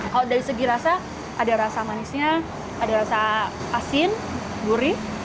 kalau dari segi rasa ada rasa manisnya ada rasa asin gurih